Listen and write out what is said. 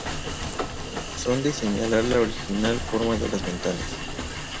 Son de señalar la original forma de las ventanas.